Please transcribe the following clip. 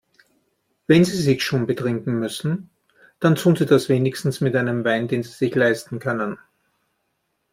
Wenn Sie sich schon betrinken müssen, dann tun Sie das wenigstens mit einem Wein, den Sie sich leisten können.